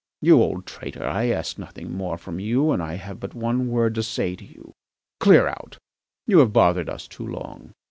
You old traitor! I ask nothing more from you and I have but one word to say to you: Clear out; you have bothered us too long.